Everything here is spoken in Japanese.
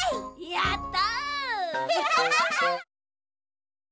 やった！